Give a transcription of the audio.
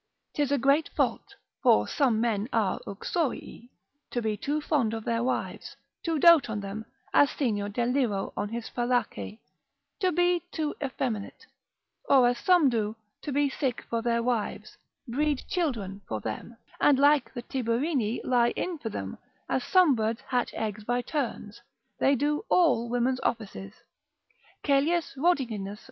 'Tis a great fault (for some men are uxorii) to be too fond of their wives, to dote on them as Senior Deliro on his Fallace, to be too effeminate, or as some do, to be sick for their wives, breed children for them, and like the Tiberini lie in for them, as some birds hatch eggs by turns, they do all women's offices: Caelius Rhodiginus ant. lect. Lib.